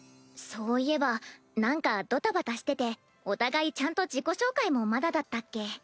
そういえばなんかドタバタしててお互いちゃんと自己紹介もまだだったっけ。